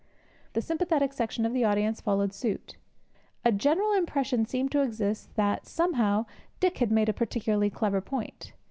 The sympathetic section of the audience followed suit. A general impression seemed to exist that, somehow, Dick had made a particularly clever point.